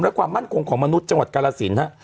และความมั่นคงของมนุษย์จังหวัดกาลสินฮะ